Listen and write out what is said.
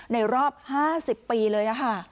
ในรอบ๕๐ปีเลยค่ะค่ะ